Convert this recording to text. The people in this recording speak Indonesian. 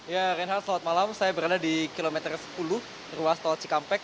ya reinhard selamat malam saya berada di kilometer sepuluh ruas tol cikampek